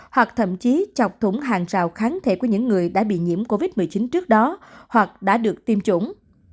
hoặc thậm chí chọc thủng hàng rào kháng thể của những người đã bị nhiễm covid một mươi chín trước đó hoặc đã được tiêm chủng